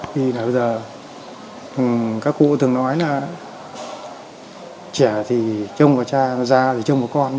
thì bây giờ các cụ thường nói là trẻ thì chung với cha già thì chung với con